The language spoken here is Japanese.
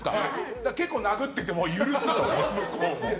だから、結構殴ってても許すと。